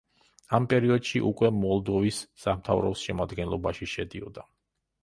ამ პერიოდში უკვე მოლდოვის სამთავროს შემადგენლობაში შედიოდა.